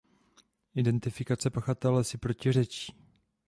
Identifikace pachatele si protiřečí.